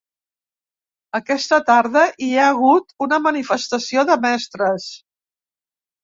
Aquesta tarda hi ha hagut una manifestació de mestres.